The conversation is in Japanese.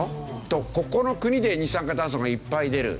とここの国で二酸化炭素がいっぱい出る。